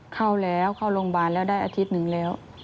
เข้าแล้วเข้าโรงพยาบาลแล้วได้อาทิตย์หนึ่งแล้ว